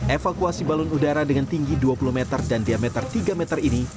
evakuasi balon udara dengan tinggi dua puluh meter dan diameter tiga meter ini